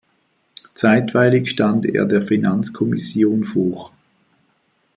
Zeitweilig stand er der Finanzkommission vor.